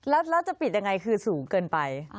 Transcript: แล้วจะปิดยังไงคือสูงเกินไป